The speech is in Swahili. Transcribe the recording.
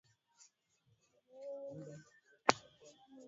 Mkoba wa babu umepasuka.